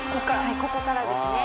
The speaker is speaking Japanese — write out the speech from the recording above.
「ここからですね」